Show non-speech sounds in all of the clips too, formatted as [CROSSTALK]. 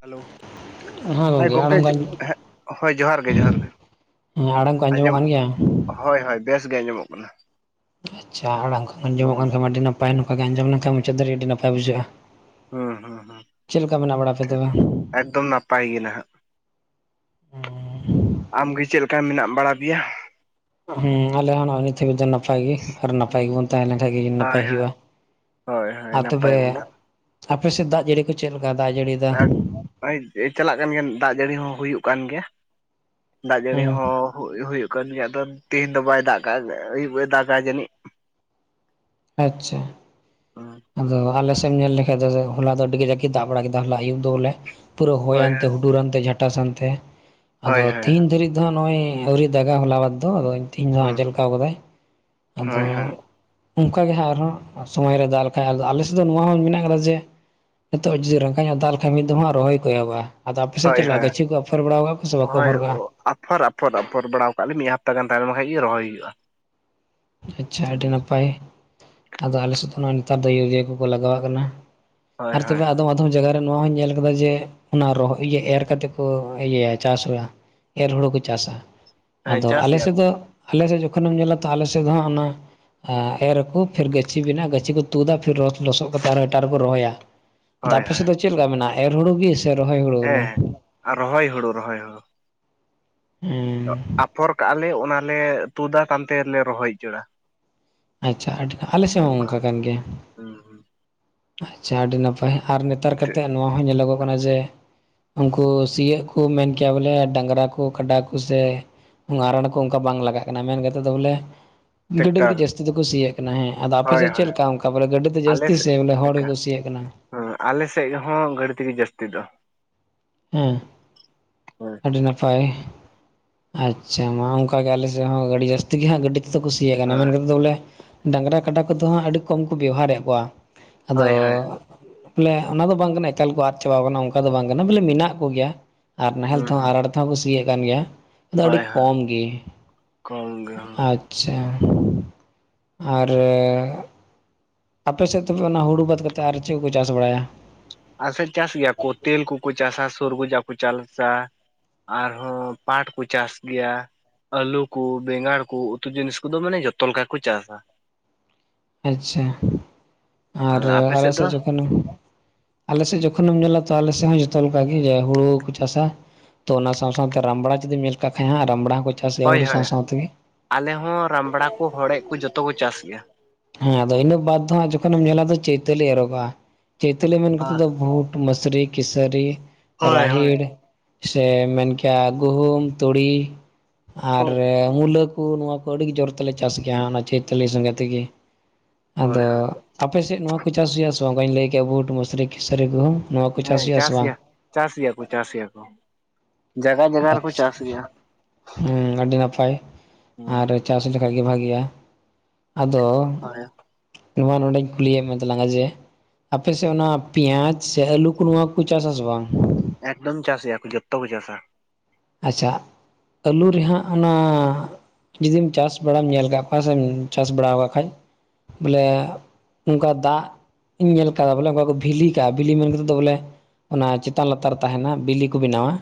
Hello ᱦᱮᱸ ᱜᱚᱝᱠᱮ ᱟᱲᱟᱝ ᱠᱚ ᱦᱮᱸ ᱦᱳᱭ ᱡᱚᱦᱟᱨ ᱜᱮ ᱡᱚᱦᱟᱨ ᱜᱮ ᱦᱮᱸ ᱟᱲᱟᱝ ᱠᱚ ᱟᱸᱡᱚᱢᱚᱜ ᱟᱸᱡᱚᱢ ᱠᱟᱱ ᱜᱮᱭᱟ ᱦᱳᱭ ᱦᱳᱭ ᱵᱮᱥ ᱜᱮ ᱟᱸᱡᱚᱢᱚᱜ ᱠᱟᱱᱟ ᱟᱪᱪᱷᱟ ᱟᱲᱟᱝ ᱠᱷᱚᱱ ᱟᱸᱡᱚᱢᱚᱜ ᱠᱟᱱ ᱦᱩᱸ ᱠᱷᱟᱱ ᱢᱟ ᱟᱹᱰᱤ ᱱᱟᱯᱟᱭ ᱱᱚᱝᱠᱟ ᱜᱮ ᱟᱸᱡᱚᱢ ᱞᱮᱱᱠᱷᱟᱱ ᱢᱩᱪᱟᱹᱫ ᱫᱷᱟᱹᱨᱤ ᱟᱹᱰᱤ ᱱᱟᱯᱟᱭ ᱵᱩᱡᱷᱟᱹᱜᱼᱟ ᱦᱩᱸ ᱦᱩᱸ ᱦᱩᱸ ᱪᱮᱫᱮ ᱞᱮᱠᱟ ᱢᱮᱱᱟᱜ ᱵᱟᱲᱟ ᱯᱮᱭᱟ ᱴᱷᱤᱠ ᱛᱚᱵᱮ ᱮᱠᱫᱚᱢ ᱱᱟᱯᱟᱭ ᱜᱮ ᱱᱟᱦᱟᱜ ᱟᱢᱜᱮ ᱪᱮᱫ ᱞᱮᱠᱟ ᱢᱮᱱᱟᱜ ᱵᱟᱲᱟ ᱯᱮᱭᱟ ᱦᱩᱸ ᱟᱞᱮ ᱦᱚᱸ ᱱᱚᱜᱚᱭ ᱱᱤᱛᱜ ᱦᱟᱹᱵᱤᱡ ᱫᱚ ᱱᱟᱯ ᱱᱟᱯᱟᱭ ᱜᱮ ᱟᱨ ᱱᱟᱯᱟᱭ ᱜᱮᱵᱚᱱ ᱛᱟᱦᱮᱸ ᱞᱮᱱᱠᱷᱟᱱ ᱜᱮ ᱱᱟᱯᱟᱭ ᱦᱳᱭ ᱦᱩᱭᱩᱜᱼᱟ ᱦᱳᱭ ᱦᱳᱭ ᱟᱨ ᱱᱟᱯᱟᱭ ᱛᱚᱵᱮ ᱦᱳᱭ ᱟᱯᱮ ᱥᱮᱫ ᱫᱟᱜ ᱡᱟᱹᱲᱤ ᱠᱚ ᱪᱮᱫ ᱞᱮᱠᱟ ᱫᱟᱜ ᱡᱟᱹᱲᱤ ᱟᱨ ᱪᱟᱞᱟᱜ ᱠᱟᱱ ᱜᱮᱭᱟ ᱫᱟᱜ ᱡᱟᱹᱲᱤ ᱦᱚᱸ ᱦᱩᱭᱩᱜ ᱠᱟᱱ ᱜᱮᱭᱟ ᱫᱟᱜ ᱡᱟᱹᱲᱤ ᱦᱮᱸ ᱦᱚᱸ ᱦᱩᱭ ᱫᱚ ᱦᱩᱭᱩᱜ ᱠᱟᱱ ᱜᱮᱭᱟ ᱟᱫᱚ ᱛᱤᱦᱤᱧ ᱫᱚ ᱵᱟᱭ ᱫᱟᱜ ᱠᱟᱫᱟ ᱟᱹᱭᱩᱵ ᱮ ᱫᱟᱜᱼᱟ ᱡᱟᱹᱱᱤᱡ ᱟᱪᱪᱷᱟ ᱟᱫᱚ ᱟᱞᱮ ᱥᱮᱫ ᱮᱢ ᱧᱮᱞ ᱞᱮᱠᱷᱟᱱ ᱫᱚ ᱦᱚᱞᱟ ᱫᱚ ᱟᱹᱰᱤ ᱠᱟᱡᱟᱠ ᱜᱮ ᱫᱟᱜ ᱵᱟᱲᱟ ᱠᱮᱫᱟ ᱦᱚᱞᱟ ᱟᱹᱭᱩᱵ ᱫᱚ ᱵᱚᱞᱮ ᱯᱩᱨᱟᱹ ᱦᱳᱭ ᱦᱳᱭ ᱦᱚᱭᱟᱱᱛᱮ ᱦᱩᱰᱩᱨᱟᱱᱛᱮ ᱡᱷᱟᱴᱟᱥᱟᱱᱛᱮ ᱟᱫᱚ ᱦᱳᱭ ᱦᱳᱭ ᱦᱳᱭ ᱛᱤᱦᱤᱧ ᱫᱷᱟᱹᱨᱤᱡ ᱱᱤᱛ ᱱᱚᱜᱚᱭ ᱟᱹᱣᱨᱤᱭ ᱫᱟᱜᱟ ᱦᱚᱞᱟ ᱢᱟᱫᱷᱮᱨ ᱫᱚ ᱟᱫᱚ ᱛᱮᱦᱤᱧ ᱫᱚ ᱟᱸᱡᱮᱞ ᱟᱠᱟᱣ ᱟᱠᱟᱫᱟᱭ ᱟᱫᱚ [INAUDIBLE] [UNINTELLIGIBLE] ᱚᱱᱠᱟ ᱜᱮ ᱦᱟᱸᱜ ᱟᱨᱦᱚᱸ ᱥᱚᱢᱚᱭ ᱨᱮ ᱫᱟᱜ ᱞᱮᱠᱷᱟᱡ ᱟᱞᱮᱥᱮᱫ ᱫᱚ ᱱᱚᱣᱟ ᱦᱚᱸ ᱢᱮᱱᱟᱜ ᱟᱠᱟᱫᱟ ᱡᱮ ᱱᱤᱛᱚᱜ ᱡᱩᱫᱤ ᱨᱟᱸᱜᱟᱧ ᱧᱚᱜ ᱫᱟᱜ ᱞᱮᱠᱷᱟᱱ ᱢᱤᱫ ᱫᱚᱢ ᱦᱟᱸ ᱨᱚᱦᱚᱭ ᱠᱚ ᱮᱦᱚᱵᱚᱜᱼᱟ ᱟᱫᱚ ᱟᱯᱮᱥᱮᱫ ᱦᱳᱭ ᱦᱳᱭ ᱪᱮᱫ ᱞᱮᱠᱟ ᱦᱳᱭ ᱜᱟᱪᱷᱤ ᱠᱚ ᱟᱯᱷᱚᱨ ᱵᱟᱲᱟ ᱟᱠᱟᱫᱟ ᱠᱚ ᱥᱮ ᱵᱟᱠᱚ ᱦᱳᱭ ᱟᱯᱷᱚᱨ ᱟᱠᱟᱫᱟ ᱟᱯᱷᱚᱨ ᱟᱯᱷᱚᱨ ᱟᱯᱷᱚᱨ ᱵᱟᱲᱟᱣ ᱠᱟᱜ ᱞᱮ ᱢᱤᱫ ᱦᱟᱯᱛᱟ ᱜᱟᱱ ᱛᱟᱦᱮᱱ ᱞᱮᱱ ᱠᱷᱟᱡ ᱜᱮ ᱨᱚᱦᱚᱭ ᱦᱩᱭᱩᱜᱼᱟ ᱟᱪᱪᱷᱟ ᱦᱩᱸ ᱟᱹᱰᱤ ᱱᱟᱯᱟᱭ ᱟᱫᱚ ᱟᱞᱮ ᱥᱮᱫ ᱫᱚ ᱱᱮᱛᱟᱨ ᱫᱚ ᱤᱭᱩᱨᱤᱭᱟ ᱠᱚᱠᱚ ᱞᱟᱜᱟᱣᱟᱜ ᱠᱟᱱᱟ ᱦᱳᱭ ᱟᱨ ᱦᱳᱭ ᱛᱚᱵᱮ ᱦᱳᱭ ᱟᱫᱚᱢ ᱟᱛ [UNINTELLIGIBLE] ᱟᱫᱚᱢ ᱡᱟᱭᱜᱟ ᱨᱮ ᱱᱚᱶᱟ ᱦᱚᱧ ᱧᱮᱞ ᱟᱠᱟᱫᱟ ᱡᱮ ᱚᱱᱟ ᱨᱚᱦᱚᱭ ᱮᱨ ᱠᱟᱛᱮ ᱠᱚ ᱤᱭᱟᱹᱭᱟ ᱪᱟᱥ ᱦᱩᱭᱩᱜᱼᱟ ᱮᱨ ᱦᱩᱲᱩ ᱠᱚ ᱪᱟᱥᱟ ᱦᱮᱸ ᱟᱫᱚ ᱪᱟᱥ ᱜᱮᱭᱟ ᱟᱞᱮᱥᱮᱫ ᱠᱚ ᱫᱚ ᱟᱞᱮᱥᱮᱫ ᱡᱚᱠᱷᱚᱱᱮᱢ ᱧᱮᱞᱟ ᱛᱟᱦᱮᱞᱮ ᱛᱮᱫ ᱦᱟᱸᱜ ᱚᱱᱟ ᱮᱨ ᱟᱠᱚ ᱯᱷᱤᱨ ᱜᱟᱹᱪᱷᱤ ᱵᱮᱱᱟᱜ ᱜᱟᱹᱪᱷᱤ ᱠᱚ ᱛᱩᱫᱟ ᱯᱷᱤᱨ ᱞᱚᱥᱚᱫ ᱠᱟᱛᱮᱸᱫ ᱟᱨᱦᱚᱸ ᱮᱴᱟᱜ ᱨᱮᱠᱚ ᱨᱚᱦᱚᱭᱟ ᱫᱟ ᱦᱳᱭ ᱟᱯᱮ ᱦᱳᱭ ᱥᱮᱫ ᱫᱚ ᱪᱮᱫ ᱞᱮᱠᱟ ᱢᱮᱱᱟᱜᱼᱟ ᱮᱨ ᱦᱩᱲᱩ ᱜᱮ ᱥᱮ ᱨᱚᱦᱚᱭ ᱦᱩᱲᱩ ᱵᱚᱞᱮ ᱦᱮᱸ ᱟᱨ ᱨᱚᱦᱚᱭ ᱦᱩᱲᱩ ᱨᱚᱦᱚᱭ ᱦᱩᱲᱩ ᱦᱮᱸ ᱟᱯᱷᱚᱨ ᱠᱟᱜᱼᱟᱞᱮ ᱚᱱᱟᱞᱮ ᱛᱩᱫᱟ ᱛᱟᱱᱛᱮᱞᱮ ᱨᱚᱦᱚᱭ ᱩᱪᱟᱹᱲᱟ ᱟᱪᱪᱷᱟ ᱟᱹᱰᱤ ᱟᱞᱮ ᱥᱮᱫ ᱦᱚᱸ ᱚᱱᱠᱟ ᱠᱟᱱ ᱜᱮᱭᱟ ᱦᱩᱸ ᱦᱩᱸ [INAUDIBLE] ᱟᱪᱪᱷᱟ ᱟᱹᱰᱤ ᱱᱟᱯᱟᱭ ᱟᱨ ᱱᱮᱛᱟᱨ ᱠᱟᱛᱮᱜ ᱱᱚᱣᱟ ᱦᱚᱸ ᱧᱮᱞᱚᱜᱚᱜ ᱠᱟᱱᱟ ᱡᱮ ᱩᱱᱠᱩ ᱥᱤᱭᱳᱜ ᱠᱚ ᱢᱮᱱ ᱠᱮᱭᱟ ᱵᱚᱞᱮ ᱰᱟᱹᱝᱨᱟ ᱠᱚ ᱠᱟᱰᱟ ᱠᱚᱥᱮ ᱨᱟᱲ ᱠᱚ ᱚᱱᱠᱟ ᱵᱟᱝ ᱞᱟᱜᱟᱜ ᱠᱟᱱᱟ ᱢᱮᱱ ᱠᱟᱛᱮᱸᱫ ᱫᱚ ᱵᱚᱞᱮ ᱜᱟᱹᱰᱤ ᱴᱮᱠᱴᱟᱨ ᱛᱮᱜᱮ ᱡᱟᱹᱥᱛᱤ ᱫᱚᱠᱚ ᱥᱤᱭᱟᱹᱜ ᱠᱟᱱᱟ ᱦᱮᱸ ᱟᱫᱚ ᱦᱳᱭ ᱟᱯᱮᱥᱮᱫ ᱦᱳᱭ ᱪᱮᱫ ᱞᱮᱠᱟ ᱚᱱᱠᱟ ᱵᱚᱞᱮ ᱜᱟᱹᱰᱤ ᱛᱮ ᱟᱞᱮ ᱡᱟᱹᱥᱛᱤ ᱥᱮᱫ ᱥᱮ ᱵᱚᱞᱮ ᱦᱚᱲ ᱞᱮᱠᱟ ᱜᱮᱠᱩ ᱥᱤᱭᱟᱜ ᱠᱟᱱᱟ ᱦᱮᱸ ᱟᱞᱮ ᱥᱮᱡ ᱦᱚᱸ ᱜᱟᱹᱰᱤ ᱛᱮᱜᱮ ᱡᱟᱹᱥᱛᱤ ᱫᱚ ᱦᱮᱸ ᱦᱮᱸ ᱟᱹᱰᱤ ᱱᱟᱯᱟᱭ ᱟᱪᱪᱷᱟ ᱢᱟ ᱠᱟ ᱚᱱᱠᱟ ᱜᱮ ᱟᱞᱮ ᱥᱮ ᱦᱚᱸ ᱜᱟᱹᱰᱤ ᱡᱟᱹᱥᱛᱤ ᱜᱮ ᱦᱟᱸᱜ ᱜᱟᱹᱰᱤ ᱛᱮᱫᱚ ᱠᱩᱥᱤᱭ ᱠᱟᱱᱟ ᱢᱮᱱᱛᱮᱫ ᱫᱚ ᱵᱚᱞᱮ ᱰᱟᱹᱝᱨᱟ ᱠᱟᱰᱟ ᱠᱚᱫᱚ ᱟᱹᱰᱤ ᱠᱚᱢ ᱠᱚ ᱵᱮᱣᱦᱟᱨᱮᱫ ᱠᱚᱣᱟ ᱟᱫᱚ ᱦᱳᱭ ᱦᱳᱭ ᱵᱚᱞᱮ ᱚᱱᱟ ᱫᱚ ᱵᱟᱝ ᱠᱟᱱᱟ ᱮᱠᱟᱞ ᱠᱚ ᱟᱫ ᱪᱟᱵᱟᱣ ᱟᱠᱟᱱᱟ ᱚᱱᱠᱟ ᱫᱚ ᱵᱟᱝ ᱠᱟᱱᱟ ᱵᱚᱞᱮ ᱢᱮᱱᱟᱜ ᱠᱚᱜᱮᱭᱟ, ᱟᱨ ᱱᱟᱦᱮᱞ ᱦᱩᱸ ᱛᱮᱦᱚᱸ ᱦᱩᱸ ᱟᱨᱴ ᱠᱟᱛᱷᱟ ᱠᱚ ᱥᱤᱭᱮᱫ ᱠᱟᱱ ᱜᱮᱭᱟ ᱟᱫᱚ ᱟᱹᱰᱤ ᱦᱳᱭ ᱦᱳᱭ ᱠᱚᱢ ᱜᱮ ᱠᱚᱢ ᱜᱮ ᱟ ᱟᱪᱪᱷᱟ ᱟᱨᱮ ᱟᱯᱮ ᱥᱮᱫ ᱛᱚᱵᱮ ᱚᱱᱟ ᱦᱩᱲᱩ ᱵᱟᱫ ᱠᱟᱛᱮᱸᱫ ᱟᱨ ᱪᱮᱫ ᱠᱚ ᱪᱟᱥ ᱵᱟᱲᱟᱭᱟ ᱟᱨᱥᱮᱫ ᱪᱟᱥ ᱜᱮᱭᱟ ᱠᱚ ᱛᱮᱞ ᱠᱚᱠᱚ ᱪᱟᱥᱟ ᱥᱩᱨᱜᱡᱟ ᱠᱚ ᱪᱟᱥᱟ ᱟᱨᱦᱚᱸ ᱯᱟᱴ ᱠᱚ ᱪᱟᱥ ᱜᱮᱭᱟ ᱟᱹᱞᱩ ᱠᱚ ᱵᱮᱸᱜᱟᱲ ᱠᱚ ᱩᱛᱩ ᱡᱤᱱᱤᱥ ᱠᱚᱫᱚ ᱢᱟᱱᱮ ᱡᱚᱛᱚ ᱞᱮᱠᱟ ᱜᱮ ᱠᱚ ᱪᱟᱥᱟ ᱟᱪᱪᱷᱟ ᱟᱨ ᱟᱯᱮ ᱟᱞᱮ ᱫᱚ? ᱥᱮᱫ ᱡᱚᱠᱷᱚᱱ ᱟᱞᱮᱥᱮᱫ ᱡᱚᱠᱷᱚᱱᱮᱢ ᱧᱮᱞᱟ ᱛᱚ ᱟᱞᱮ ᱥᱮᱫ ᱦᱚᱸ ᱡᱚᱛᱚ ᱞᱮᱠᱟᱜᱮ ᱦᱩᱲᱩ ᱠᱚ ᱪᱟᱥᱟ ᱛᱚ ᱚᱱᱟ ᱥᱟᱶ ᱥᱟᱶᱛᱮ ᱨᱟᱢᱵᱲᱟ ᱡᱩᱫᱤᱢ ᱧᱮᱞ ᱠᱟᱜ ᱠᱷᱟᱹᱡ ᱨᱟᱢᱲᱟ ᱦᱳᱭ ᱦᱳᱭ ᱟᱞᱮ ᱦᱚᱸ ᱨᱟᱢᱲᱟ ᱠᱚ ᱦᱚᱲᱮᱡ ᱠᱚ ᱡᱚᱛᱚ ᱠᱚ ᱪᱟᱥ ᱜᱮᱭᱟ ᱦᱮᱸ ᱟᱫᱚ ᱤᱱᱟᱹ ᱵᱟᱛ ᱦᱚᱸ ᱡᱚᱠᱷᱚᱱᱮᱢ ᱧᱮᱞᱟ ᱪᱳᱭᱛᱟᱞᱤ ᱮᱨᱚᱜᱚᱜᱼᱟ ᱪᱳᱭᱛᱟᱞᱤ ᱢᱮᱱ ᱠᱟᱛᱮᱫ ᱫᱚ ᱵᱷᱩᱴ ᱢᱟᱹᱥᱨᱤ ᱠᱤᱥᱟᱹᱨᱤ ᱦᱳᱭ ᱦᱳᱭ᱾ ᱨᱟᱦᱤᱲ ᱥᱮ ᱢᱮᱱᱠᱮᱭᱟ ᱜᱩᱦᱩᱢ ᱛᱩᱲᱤ ᱟᱨ ᱦᱳᱭ ᱢᱩᱞᱟᱹᱠ ᱩᱱᱠᱩ ᱱᱚᱣᱟ ᱠᱚ ᱟᱹᱰᱤ ᱜᱮ ᱡᱳᱨ ᱛᱮᱞᱮ ᱪᱟᱥ ᱜᱮᱭᱟ ᱚᱱᱟ ᱪᱳᱭᱛᱟᱞᱤ ᱥᱚᱸᱜᱮ ᱛᱮᱜᱮ ᱦᱳᱭ ᱟᱫᱚ ᱟᱯᱮᱥᱮᱫ ᱱᱚᱣᱟ ᱠᱩ ᱪᱟᱥ ᱜᱮᱭᱟᱥᱮᱵᱟᱝ ᱵᱟᱧᱞᱮᱜᱮᱭᱟ ᱵᱩᱰ, ᱢᱩᱥᱨᱤ, ᱠᱤᱥᱨᱤᱠ, ᱜᱩᱦᱩᱢ᱾ ᱱᱚᱣᱟ ᱠᱚ ᱦᱮᱸ ᱦᱩᱭᱩᱜᱼᱟ ᱥᱮ ᱪᱟᱥ ᱵᱟᱝ ᱜᱮᱭᱟ ᱪᱟᱥ ᱜᱮᱭᱟ ᱠᱚ ᱪᱟᱥ ᱜᱮᱭᱟ ᱠᱚ, ᱡᱟᱭᱜᱟ ᱡᱟᱭᱜᱟ ᱨᱮᱠᱚ ᱟᱪᱪᱷᱟ ᱪᱟᱥ ᱜᱮᱭᱟ᱾ ᱦᱮᱸ ᱟᱹᱰᱤ ᱱᱟᱯᱟᱭ ᱦᱩᱸ ᱟᱨᱼᱼ ᱪᱟᱥ ᱞᱮᱠᱷᱟᱡ ᱜᱮ ᱵᱷᱟᱜᱤᱜᱼᱟ ᱟᱫᱚᱼᱼ ᱦᱳᱭ ᱱᱚᱣᱟ ᱱᱚᱰᱮᱧ ᱠᱩᱞᱤᱭ ᱮᱫ ᱢᱮᱛᱟ ᱞᱟᱝᱟ ᱡᱮ, ᱟᱯᱮ ᱥᱮᱫ ᱚᱱᱟ ᱯᱮᱸᱭᱟᱡ ᱥᱮ ᱟᱹᱞᱩ ᱠᱚ ᱱᱚᱣᱟ ᱠᱚ ᱪᱟᱥ ᱟᱥᱮ ᱵᱟᱝ? ᱮᱠᱫᱚᱢ ᱪᱟᱥ ᱜᱮᱭᱟ ᱡᱚᱛᱚ ᱠᱚ ᱪᱟᱥᱟ, ᱟᱪᱪᱷᱟ ᱟᱹᱞᱩ ᱨᱮᱦᱟᱸᱜ ᱚᱱᱟᱼᱼ ᱡᱩᱫᱤᱢ ᱪᱟᱥ ᱵᱟᱲᱟᱢ ᱧᱮᱞ ᱟᱠᱟᱫ ᱠᱚᱣᱟ ᱥᱮᱢ ᱪᱟᱥ ᱵᱟᱲᱟ ᱟᱠᱟᱫ ᱠᱷᱟᱡ ᱵᱚᱞᱮ ᱚᱱᱠᱟ ᱫᱟᱜᱼᱼ ᱤᱧ ᱧᱮᱞ ᱟᱠᱟᱫᱟ ᱵᱚᱞᱮᱠᱟ ᱠᱚ ᱵᱷᱤᱞᱤ ᱠᱟᱜ ᱵᱷᱤᱞᱤ ᱢᱮᱱ ᱠᱟᱛᱮᱫ ᱫᱚ ᱵᱚᱞᱮ ᱚᱱᱟ ᱪᱮᱛᱟᱱ ᱞᱟᱛᱟᱨ ᱨᱮ ᱛᱟᱦᱮᱱᱟ ᱵᱤᱞᱤ ᱠᱚ ᱵᱮᱱᱟᱣᱟ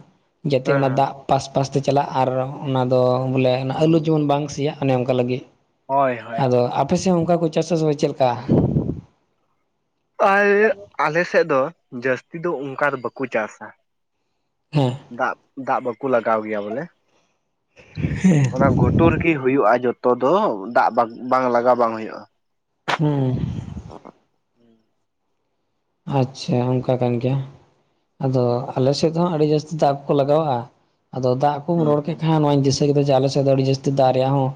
ᱡᱟᱛᱮ ᱦᱮᱸ ᱚᱱᱟ ᱦᱮᱸ᱾ ᱫᱟᱜ ᱯᱟᱥ ᱯᱟᱥ ᱛᱮ ᱪᱟᱞᱟᱜ ᱟᱨ ᱚᱱᱟ ᱫᱚ ᱵᱚᱞᱮ ᱚᱱᱟ ᱟᱹᱞᱩ ᱦᱩᱸ ᱡᱮᱢᱚᱱ ᱵᱟᱝ ᱥᱮᱭᱟᱜ ᱚᱱᱮ ᱚᱱᱠᱟ ᱞᱟᱹᱜᱤᱫ ᱦᱳᱭ ᱦᱳᱭ᱾ ᱟᱫᱚ ᱟᱯᱮ ᱥᱮᱫ ᱦᱚᱸ ᱚᱱᱠᱟ ᱠᱚ ᱪᱟᱥ ᱟᱥᱮ ᱵᱟᱝ ᱪᱮᱫ ᱞᱮᱠᱟ, [UNINTELLIGIBLE] ᱟᱞᱮ ᱥᱮᱫ ᱫᱚ ᱡᱟᱹᱥᱛᱤ ᱫᱚ ᱚᱱᱠᱟ ᱫᱚ ᱵᱟᱠᱚ ᱪᱟᱥᱼᱟ, ᱦᱮᱸ ᱫᱟᱜ ᱫᱟᱜ ᱵᱟᱠᱚ ᱞᱟᱜᱟᱣ ᱜᱮᱭᱟ ᱵᱚᱞᱮ ᱚᱱᱟ ᱜᱷᱩᱴᱼᱼ ᱛᱩᱞᱜᱤ ᱦᱩᱭᱩᱜᱼᱟ ᱡᱚᱛᱚ ᱫᱚ ᱫᱟᱜ ᱵᱟᱝ ᱵᱟᱝ ᱞᱟᱜᱟᱣ ᱵᱟᱝ ᱦᱩᱭᱩᱜᱼᱟ ᱦᱩᱸ [UNINTELLIGIBLE] ᱟᱪᱪᱷᱟ ᱚᱱᱠᱟ ᱠᱟᱱ ᱜᱮᱭᱟ ᱟᱫᱚ ᱟᱞᱮ ᱥᱮᱫ ᱦᱚᱸ ᱟᱹᱰᱤ ᱡᱟᱹᱥᱛᱤ ᱫᱟᱜ ᱠᱚ ᱞᱟᱜᱟᱣᱟᱜᱼᱟ ᱟᱫᱚ ᱫᱟᱜ ᱠᱚᱢ ᱦᱩᱸ ᱨᱚᱲ ᱠᱮᱫ ᱦᱩᱸ ᱠᱷᱟᱱ ᱱᱚᱣᱟᱧ ᱫᱤᱥᱟᱹ [UNINTELLIGIBLE] ᱫᱚ ᱟᱰᱤ ᱡᱟᱥᱛᱤ ᱫᱟᱜ ᱨᱮᱭᱟᱜ ᱦᱚᱸ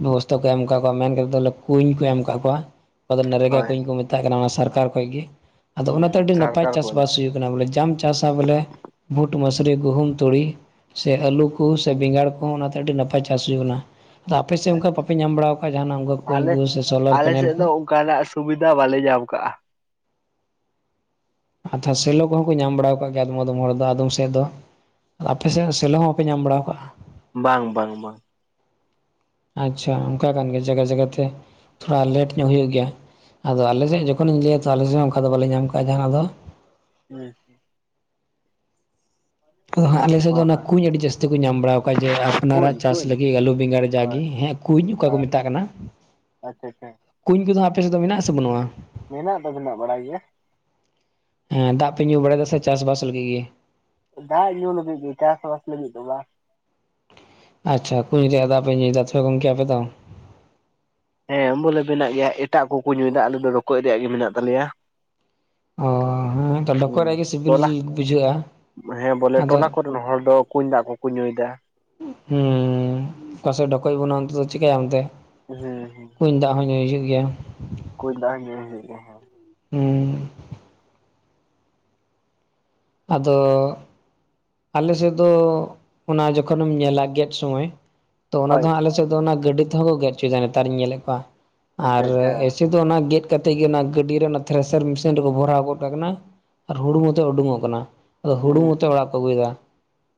ᱵᱮᱵᱚᱥᱛᱷᱟ ᱠᱚ ᱮᱢ ᱟᱠᱟᱫ ᱠᱚᱣᱟ ᱢᱮᱱ ᱠᱟᱛᱮᱫ ᱫᱚ ᱠᱩᱧ ᱠᱚ ᱮᱢ ᱟᱠᱟᱫ ᱠᱚᱣᱟ, [UNINTELLIGIBLE] ᱦᱳᱭ ᱠᱩᱧ ᱠᱚ ᱢᱮᱛᱟᱜ ᱠᱟᱱᱟ ᱚᱱᱟ ᱥᱚᱨᱠᱟᱨ ᱠᱷᱚᱡ ᱜᱮ ᱟᱫᱚ ᱦᱩᱸ ᱚᱱᱟ ᱛᱮ ᱦᱩᱸ ᱟᱹᱰᱤ ᱱᱟᱯᱟᱭ ᱥᱚᱨᱠᱟᱨ ᱪᱟᱥ ᱠᱷᱚᱱ ᱵᱟᱥ ᱦᱩᱭᱩᱜ [UNINTELLIGIBLE] ᱡᱟᱢ ᱪᱟᱥ ᱵᱚᱞᱮ ᱵᱷᱩᱴ ᱢᱩᱥᱨᱤ ᱜᱩᱦᱩᱢ ᱛᱩᱲᱤ ᱥᱮ ᱟᱹᱞᱩᱼᱼ ᱠᱚ ᱥᱮ ᱦᱩᱸ᱾ ᱵᱮᱸᱜᱟᱲ ᱠᱚ ᱦᱚᱸ ᱚᱱᱟ ᱛᱮ ᱟᱹᱰᱤ ᱱᱟᱯᱟᱭ ᱪᱟᱥ ᱦᱩᱭᱩᱜ ᱠᱟᱱᱟ, ᱟᱫᱚ ᱟᱯᱮ ᱥᱮᱫ ᱚᱱᱠᱟ ᱟᱪᱪᱷᱟ ᱵᱟᱯᱮ ᱧᱟᱢ ᱵᱟᱲᱟ ᱟᱠᱟᱫᱼᱟ ᱡᱟᱦᱟᱱᱟᱜ ᱩᱱᱠᱩ ᱠᱩᱧ ᱟᱞᱮ ᱠᱚ ᱥᱮ ᱥᱳᱞᱟᱨ ᱟᱞᱮ ᱯᱮᱱᱮᱞ ᱥᱮᱫ ᱠᱚ? ᱫᱚ ᱚᱱᱠᱟᱱᱟᱜ ᱥᱩᱵᱤᱫᱷᱟ ᱵᱟᱞᱮ ᱧᱟᱢ ᱠᱟᱜᱼᱟ, ᱟᱫᱷᱟ ᱥᱮᱞᱚ ᱠᱚᱦᱚᱸ ᱠᱚ ᱧᱟᱢ ᱵᱟᱲᱟ ᱟᱠᱟᱜ ᱜᱮᱭᱟ ᱟᱫᱚᱢ ᱟᱫᱚᱢ ᱦᱚᱲ ᱫᱚ ᱟᱫᱚᱢ ᱥᱮᱫ ᱫᱚ, ᱟᱯᱮ ᱥᱮᱫ ᱱᱟᱜ ᱥᱮᱞᱳ ᱦᱚᱸ ᱵᱟᱯᱮ ᱧᱟᱢ ᱵᱟᱲᱟ ᱠᱟᱜᱼᱟ, ᱵᱟᱝ ᱵᱟᱝ ᱵᱟᱝ, ᱟᱪᱪᱷᱟ ᱚᱱᱠᱟ ᱠᱟᱱ ᱜᱮᱭᱟ ᱡᱟᱭᱜᱟ ᱡᱟᱭᱜᱟ ᱛᱮ, [UNINTELLIGIBLE] ᱦᱩᱭᱩᱜ ᱜᱮᱭᱟ ᱟᱫᱚ ᱟᱞᱮ ᱥᱮᱫ ᱡᱚᱠᱷᱚ ᱱᱤᱧ ᱞᱟᱹᱭᱟ ᱛᱚ ᱟᱞᱮ ᱥᱮᱫ ᱚᱱᱠᱟ ᱫᱚ ᱵᱟᱞᱮ ᱧᱟᱢ ᱠᱟᱜᱼᱟ ᱡᱟᱦᱟᱸᱱᱟᱜ ᱫᱚ ᱦᱮᱸ ᱟᱫᱚ ᱟᱞᱮ‌ᱥᱮᱫ ᱚ ᱫᱚ ᱚᱱᱟ ᱦᱮᱸ ᱠᱩᱧ ᱟᱹᱰᱤ ᱡᱟᱹᱥᱛᱤ ᱠᱚ ᱧᱟᱢ ᱵᱟᱲᱟ ᱟᱠᱟᱜᱼᱟ ᱡᱮ ᱟᱯᱱᱟᱨᱟᱜ ᱠᱩᱧ ᱪᱟᱥ ᱠᱩᱧ ᱞᱟᱹᱜᱤᱫ ᱟᱞᱩ ᱵᱮᱸᱜᱟᱲ ᱡᱟᱜᱮ ᱦᱳᱭ ᱦᱮᱸ ᱠᱩᱧ ᱚᱠᱟ ᱠᱚ ᱦᱳᱭ ᱢᱮᱛᱟᱜ ᱠᱟᱱᱟ? ᱟᱪᱪᱷᱟ ᱟᱪᱪᱷᱟ ᱠᱩᱧ ᱠᱚᱫᱚ ᱟᱯᱮ ᱥᱮᱫ ᱫᱚ ᱢᱮᱱᱟᱜ ᱟᱥᱮ ᱵᱟᱹᱱᱩᱜᱼᱟ? ᱢᱮᱱᱟᱜ ᱫᱚ ᱢᱮᱱᱟᱜ ᱵᱟᱲᱟᱭ ᱜᱮᱭᱟ ᱦᱮᱸ ᱫᱟᱜ ᱯᱮ ᱧᱩ ᱵᱟᱲᱟᱭ ᱮᱫᱟ ᱥᱮ ᱪᱟᱥ ᱵᱟᱥ ᱞᱟᱹᱜᱤᱫ ᱜᱮ? ᱫᱟᱜ ᱧᱩ ᱞᱟᱹᱜᱤᱫ ᱜᱮ ᱪᱟᱥ ᱵᱟᱥ ᱞᱟᱹᱜᱤᱫ ᱫᱚ ᱵᱟᱝ, ᱟᱪᱪᱷᱟ ᱠᱩᱧ ᱨᱮᱭᱟᱜ ᱫᱟᱜ ᱯᱮ ᱧᱩᱭ [UNINTELLIGIBLE] ᱜᱚᱢᱠᱮ ᱟᱯᱮ ᱫᱚ, ᱦᱮᱸ ᱩᱢᱩᱞᱮ ᱢᱮᱱᱟᱜ ᱜᱮᱭᱟ ᱮᱴᱟᱜ ᱠᱚᱠᱚ ᱧᱩᱭᱫᱟ ᱟᱞᱮ ᱫᱚ ᱞᱳᱠᱚ ᱨᱮᱭᱟᱜ ᱜᱮ ᱢᱮᱱᱟᱜ ᱛᱟᱞᱮᱭᱟ, ᱚ ᱦᱮᱸ ᱛᱚᱫᱚ ᱠᱚᱨᱮ ᱜᱮ ᱥᱤᱵᱤᱞ ᱴᱚᱞᱟ ᱵᱩᱡᱷᱟᱹᱜᱼᱟ, ᱦᱮᱸ ᱵᱚᱞᱮ ᱟᱫᱚ ᱴᱱᱟᱠᱚᱴᱱᱚᱱ ᱦᱚᱲ ᱫᱚ ᱠᱩᱧ ᱫᱟᱜ ᱠᱚᱠᱚ ᱧᱩᱭ ᱮᱫᱟ, ᱦᱩᱸ ᱠᱟᱥᱮ ᱰᱠᱚᱭ ᱵᱟᱱᱩᱜᱼᱟ ᱚᱱᱛᱮ ᱪᱤᱠᱟᱹᱭ ᱮᱱᱛᱮ᱾ ᱦᱩᱸ᱾ ᱠᱩᱧ ᱫᱟᱜ ᱦᱚᱸ ᱧᱩ ᱦᱩᱭᱩᱜ ᱜᱮᱭᱟ᱾ ᱠᱩᱧ ᱫᱟᱜ ᱦᱚᱸ ᱧᱩ ᱦᱩᱭᱩᱜ ᱜᱮᱭᱟ ᱦᱮᱸ᱾ ᱦᱩᱸ᱾ ᱟᱫᱚ ᱟᱞᱮ ᱥᱮᱫ ᱫᱚ ᱚᱱᱟ ᱡᱚᱠᱷᱚᱱᱮᱢ ᱧᱮᱞᱟ ᱜᱮᱫ ᱥᱚᱢᱚᱭ, ᱛᱚ ᱚᱱᱟ ᱫᱚ ᱦᱳᱭ ᱦᱟᱸᱜ ᱟᱞᱮ ᱮᱫ ᱫᱚ ᱚᱱᱟ ᱜᱟᱹᱰᱤ ᱛᱮᱦᱚᱸ ᱠᱚ ᱜᱮᱫ ᱦᱚᱪᱚᱫᱟ ᱱᱮᱛᱟᱨᱤᱧ ᱧᱮᱞᱮᱫ ᱠᱚᱣᱟ᱾ ᱟᱪᱪᱷᱟ ᱟᱨ ᱟᱪᱪᱷᱟ ᱮᱭᱥᱮ ᱫᱚ ᱚᱱᱟ ᱜᱮᱫ ᱠᱟᱛᱮᱫ ᱜᱮ, ᱚᱱᱟ ᱜᱟᱹᱰᱤ ᱨᱮ ᱚᱱᱟ ᱛᱷᱨᱮᱥᱟᱨ ᱢᱮᱥᱤᱱ ᱨᱮᱠᱚ ᱵᱷᱚᱨᱟᱣ ᱜᱚᱫ ᱠᱟᱜ ᱠᱟᱱᱟ᱾ ᱟᱨ ᱦᱩᱲᱩ ᱱᱚᱛᱮ ᱩᱰᱩᱠᱚ ᱠᱟᱱᱟ᱾ ᱟᱫᱚ ᱦᱩᱲᱩ ᱦᱩᱸ ᱠᱟᱛᱮ ᱚᱲᱟᱜ ᱠᱚ ᱟᱹᱜᱩᱭᱮᱫᱟ᱾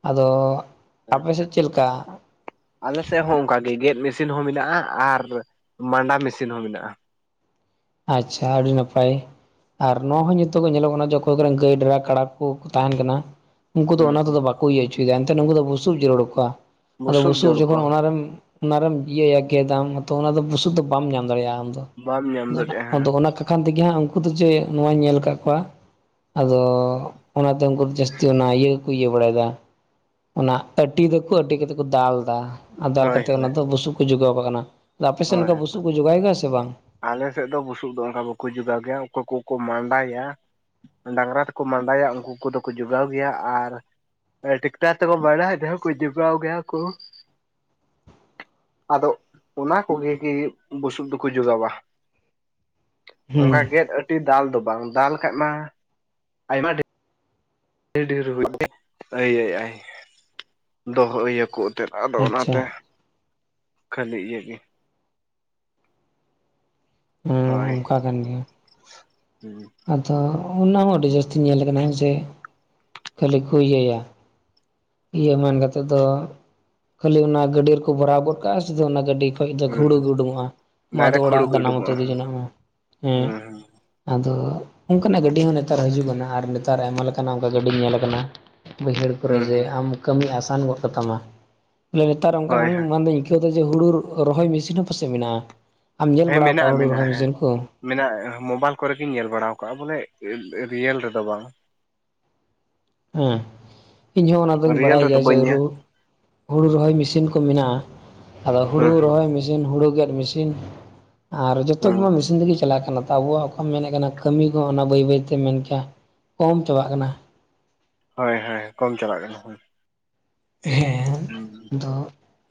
ᱟᱫᱚ ᱟᱪᱪᱷᱟ ᱟᱯᱮ ᱟᱪᱪᱷᱟ ᱥᱮᱫ ᱪᱮᱫ ᱞᱮᱠᱟ? ᱟᱞᱮ ᱥᱮᱫ ᱦᱚᱸ ᱚᱱᱠᱟᱜᱮ, ᱜᱮᱫ ᱢᱮᱥᱤᱱ ᱦᱚᱸ ᱢᱮᱱᱟᱜᱼᱟ ᱟᱨ ᱢᱟᱸᱰᱟ ᱢᱮᱥᱤᱱ ᱦᱚᱸ ᱢᱮᱱᱟᱜᱼᱟᱺ ᱟᱪᱪᱷᱟ ᱟᱹᱰᱤ ᱱᱟᱯᱟᱭ᱾ ᱟᱨ ᱱᱚᱣᱟ ᱦᱚᱸ ᱱᱤᱛᱚᱜ ᱧᱮᱞᱚᱜ ᱠᱟᱱᱟ ᱡᱮ, ᱚᱠᱚᱭ ᱠᱚᱨᱮ ᱜᱟᱹᱭ ᱰᱨᱟ ᱠᱟᱲᱟ ᱠᱚ ᱛᱟᱦᱮᱱ ᱠᱟᱱᱟ᱾ ᱩᱱᱠᱩ ᱫᱚ ᱦᱩᱸ ᱚᱱᱟ ᱦᱩᱸ ᱛᱮᱫᱚ ᱵᱟᱠᱚ ᱤᱭᱟᱹ ᱦᱚᱪᱚᱭᱟᱫᱟ᱾ ᱮᱱ ᱛᱮ ᱩᱱᱠᱩ ᱫᱚ ᱵᱩᱥᱩᱵ ᱡᱟᱹᱨᱩᱲ ᱟᱠᱚᱣᱟ, ᱟᱫᱚ ᱵᱩᱥᱩᱵ ᱡᱳᱲ ᱠᱚ ᱡᱚᱠᱷᱚᱱ ᱚᱱᱟᱨᱮᱢ ᱚᱱᱟ ᱨᱮᱢ ᱤᱭᱟᱹᱭᱟ ᱜᱮᱫᱟᱢ, ᱛᱚ ᱚᱱᱟ ᱫᱚ ᱵᱩᱥᱩᱵ ᱫᱚ ᱵᱟᱢ ᱧᱟᱢ ᱫᱟᱲᱮᱭᱟᱜᱼᱟ ᱟᱢ ᱫᱚ᱾ ᱵᱟᱢ ᱧᱟᱢ ᱫᱟᱲᱮᱭᱟᱜᱼᱟ ᱦᱮᱸ ᱟᱫᱚ ᱚᱱᱟ ᱠᱚᱠᱷᱟᱱ ᱛᱮᱜᱮ ᱦᱟᱸᱜ ᱩᱱᱠᱩ ᱫᱚ ᱡᱮ ᱱᱚᱣᱟᱧ ᱧᱮᱞ ᱟᱠᱟᱫ ᱠᱚᱣᱟ᱾ ᱟᱫᱚ ᱚᱱᱟᱛᱮ ᱩᱱᱠᱩ ᱡᱟᱹᱥᱛᱤ ᱚᱱᱟ ᱤᱭᱟᱹ ᱜᱮᱠᱚ ᱤᱭᱟᱹ ᱵᱟᱲᱟᱭᱮᱫᱟ᱾ ᱚᱱᱟ ᱟᱹᱴᱤ ᱫᱟᱠᱚ ᱟᱹᱴᱤ ᱠᱟᱛᱮᱫ ᱠᱚ ᱫᱟᱞ ᱮᱫᱟ ᱟᱨ ᱫᱟᱞ ᱦᱳᱭ ᱠᱟᱛᱮᱫ ᱦᱳᱭ ᱚᱱᱟ ᱫᱚ ᱵᱩᱥᱩᱵ ᱠᱚ ᱡᱚᱜᱟᱣ ᱠᱟᱜ ᱠᱟᱱᱟ᱾ ᱟᱫᱚ ᱟᱯᱮᱥᱮᱫ ᱦᱳᱭ ᱚᱱᱠᱟ ᱵᱩᱥᱩ ᱠᱚ ᱡᱚᱜᱟᱭ ᱜᱮᱭᱟ ᱥᱮ ᱵᱟᱝ? ᱟᱞᱮ ᱥᱮᱫ ᱫᱚ ᱵᱩᱥᱩᱵ ᱫᱚ ᱚᱱᱠᱟ ᱵᱟᱠᱚ ᱡᱚᱜᱟᱣ ᱜᱮᱭᱟ, ᱚᱠᱚᱭ ᱠᱚᱠᱚ ᱢᱟᱸᱰᱟᱭᱟ᱾ ᱰᱟᱝᱨᱟ ᱛᱮᱠᱚ ᱢᱟᱰᱟᱭᱟ, ᱩᱱᱠᱩ ᱠᱚᱫᱚ ᱠᱚ ᱡᱚᱜᱟᱣ ᱜᱮᱭᱟ᱾ ᱟᱨ ᱴᱤᱠᱴᱟᱨ ᱛᱮᱠᱚ ᱢᱟᱰᱟᱭ ᱨᱮᱦᱚᱸ ᱠᱚ ᱡᱚᱜᱟᱣ ᱜᱮᱭᱟ ᱠᱚ᱾ ᱟᱫᱚ᱾ ᱚᱱᱟ ᱠᱚᱜᱮ ᱜᱮ ᱵᱩᱥᱩᱵ ᱫᱚᱠᱚ ᱡᱚᱜᱟᱣᱼᱟ ᱾ᱚᱱᱠᱟ ᱦᱩᱸ ᱜᱮᱫ ᱴᱤᱡ ᱫᱟᱞ ᱫᱚ ᱵᱟᱝ, ᱫᱟᱞ ᱠᱷᱟᱱ ᱢᱟ ᱟᱭᱢᱟ ᱰᱷᱮ ᱟᱹᱰᱤ ᱰᱷᱮᱨ [UNINTELLIGIBLE] ᱦᱩᱭ ᱟᱭ ᱫᱚᱦᱚᱭᱟ ᱠᱚ ᱮᱱᱛᱮᱫ ᱟᱫᱚ ᱟᱪᱪᱷᱟ ᱚᱱᱟᱛᱮ᱾ ᱠᱷᱟᱹᱞᱤ ᱤᱭᱟᱹ ᱜᱮ᱾ ᱦᱳᱭ᱾ ᱠᱟᱛᱷᱟ ᱠᱟᱱ ᱜᱮᱭᱟᱹ᱾ ᱦᱮᱸ᱾ ᱟᱫᱚ ᱚᱱᱟ ᱦᱚᱸ ᱟᱹᱰᱤ ᱡᱟᱹᱥᱛᱤ ᱧᱮᱞ ᱟᱠᱟᱱᱟ ᱡᱮ, ᱠᱷᱟᱹᱞᱤ ᱠᱚ ᱤᱭᱟᱹᱭᱟ᱾ ᱤᱭᱟᱹ ᱢᱮᱱ ᱠᱟᱛᱮᱫ ᱫᱚ ᱠᱷᱟᱹᱞᱤ ᱚᱱᱟ ᱜᱟᱹᱰᱤ ᱨᱮᱠᱚ ᱵᱷᱚᱨᱟᱣ ᱜᱚᱫ ᱠᱟᱜᱼᱟ᱾ ᱥᱤᱫᱦᱟ ᱚᱱᱟ ᱜᱟᱹᱰᱤ ᱠᱷᱚᱡ ᱫᱚ ᱦᱩᱲᱳ ᱦᱩᱸ ᱜᱮ ᱩᱰᱩᱠᱚᱜᱼᱟ, ᱟᱫᱚ ᱰᱟᱭᱨᱮᱠᱴ ᱚᱲᱟᱜ ᱦᱩᱲᱩ ᱠᱚ ᱫᱟᱱᱟ ᱢᱚᱛᱚ ᱩᱰᱩᱠᱚᱜᱼᱟ ᱤᱫᱤ ᱦᱩᱸ ᱡᱚᱱᱟᱜ ᱢᱮ ᱦᱮᱸ᱾ ᱦᱩᱸ ᱟᱫᱚ ᱚᱱᱠᱟᱱᱟᱜ ᱜᱟᱹᱰᱤ ᱦᱚᱸ ᱱᱮᱛᱟᱨ ᱦᱤᱡᱩᱜ ᱠᱟᱱᱟ, ᱟᱨ ᱱᱮᱛᱟᱨ ᱟᱭᱢᱟ ᱞᱮᱠᱟᱱᱟᱜ ᱚᱱᱠᱟ ᱜᱟᱹᱰᱤ ᱧᱮᱞ ᱟᱠᱟᱱᱟ᱾ ᱵᱟᱹᱭᱦᱟᱹᱲ ᱠᱚᱨᱮ ᱦᱩᱸ ᱡᱮ ᱦᱩᱸ ᱟᱢ ᱠᱟᱹᱢᱤ ᱟᱥᱟᱱ ᱜᱚᱫ ᱠᱟᱛᱟᱢᱟ᱾ ᱵᱚᱞᱮ ᱱᱮᱛᱟᱨ ᱚᱱᱠᱟ ᱦᱳᱭ ᱦᱚᱸ ᱦᱳᱭ ᱵᱟᱝᱫᱚᱧ ᱱᱤᱛᱚᱜ ᱡᱮ ᱦᱳᱲᱩ ᱨᱚᱦᱚᱭ ᱢᱮᱥᱤᱱ ᱦᱚᱸ ᱯᱟᱥᱮᱡ ᱢᱮᱱᱟᱜᱼᱟ᱾ ᱟᱢ ᱧᱮᱞ ᱦᱮᱸ ᱵᱟᱲᱟ ᱢᱮᱱᱟᱜᱼᱟ ᱟᱠᱟᱜᱼᱟ ᱦᱳᱲᱩ ᱢᱮᱱᱟᱜᱼᱟ ᱨᱚᱦᱚᱭ ᱦᱮᱸ ᱢᱮᱥᱤᱱ ᱠᱚ? ᱢᱮᱱᱟᱜᱼᱟ᱾ ᱢᱳᱵᱟᱭᱤᱞ ᱠᱚᱨᱮᱜᱤᱧ ᱧᱮᱞ ᱵᱟᱲᱟ ᱟᱠᱟᱜ ᱵᱚᱞᱮ ᱨᱤᱭᱮᱞ ᱨᱮᱫᱚ ᱵᱟᱝ᱾ ᱦᱮᱸ᱾ ᱤᱧ ᱦᱚᱸ ᱚᱱᱟ ᱫᱩᱧ ᱨᱤᱭᱮᱞ ᱵᱟᱲᱟᱭ ᱨᱮᱫᱚ ᱜᱮᱭᱟ ᱡᱮ, ᱵᱟᱹᱧ ᱧᱮᱞ ᱨᱩ ᱦᱩᱲᱩ ᱨᱚᱦᱚᱭ ᱢᱮᱥᱤᱱ ᱠᱚ ᱢᱮᱱᱟᱜᱼᱟ, ᱟᱫᱚ ᱦᱩᱲᱩ ᱦᱩᱸ ᱨᱚᱦᱚᱭ ᱦᱩᱸ ᱢᱮᱥᱤᱱ ᱦᱩᱲᱩ ᱜᱮᱫ ᱢᱮᱥᱤᱱ ᱟᱨ ᱡᱚᱛᱚ ᱦᱩᱸ ᱠᱚᱢᱟ ᱢᱮᱥᱤᱱ ᱛᱮᱜᱮ ᱪᱟᱞᱟᱜ ᱠᱟᱱᱟ᱾ ᱟᱵᱚᱣᱟᱜ ᱚᱠᱟᱢ ᱢᱮᱱᱮᱫ ᱠᱟᱱᱟ, ᱠᱟᱹᱢᱤ ᱠᱚ ᱚᱱᱟ ᱵᱟᱹᱭ ᱵᱟᱹᱭᱛᱮ ᱢᱮᱱ ᱠᱮᱭᱟ ᱠᱚᱢ ᱪᱟᱵᱟᱜ ᱠᱟᱱᱟ᱾ ᱦᱳᱭ ᱦᱳᱭ, ᱠᱚᱢ ᱪᱟᱵᱟᱜ ᱠᱟᱱᱟ ᱦᱳᱭ᱾ ᱦᱮᱸ᱾ ᱦᱩᱸᱻ᱾ ᱟᱫᱚ